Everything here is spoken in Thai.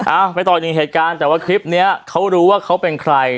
อ้าวไม่ต่อจริงเหตุการณ์แต่ว่าคลิปเนี้ยเขารู้ว่าเขาเป็นใคร